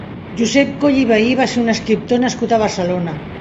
Josep Coll i Vehí va ser un escriptor nascut a Barcelona.